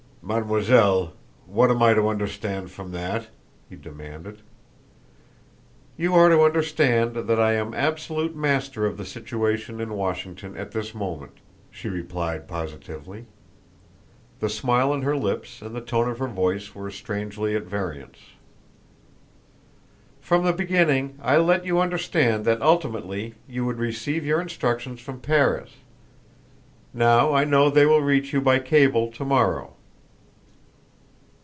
"Mademoiselle, what am I to understand from that?" he demanded. "You are to understand that I am absolute master of the situation in Washington at this moment," she replied positively. The smile on her lips and the tone of her voice were strangely at variance. "From the beginning I let you understand that ultimately you would receive your instructions from Paris; now I know they will reach you by cable to morrow.